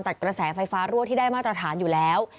กระแสไฟฟ้ารั่วที่ได้มาตรฐานอยู่แล้ว